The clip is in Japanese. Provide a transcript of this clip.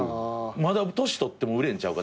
まだ年取っても売れるんちゃうか。